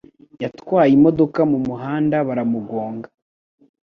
Yatwaye imodoka mumuhanda baramugonga.